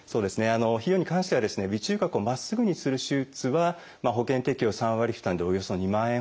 費用に関してはですね鼻中隔をまっすぐにする手術は保険適用３割負担でおよそ２万円ほどになります。